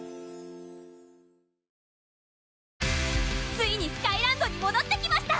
ついにスカイランドにもどってきました！